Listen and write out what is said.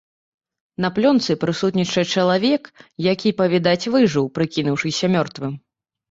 На плёнцы прысутнічае чалавек, які, па-відаць, выжыў, прыкінуўшыся мёртвым.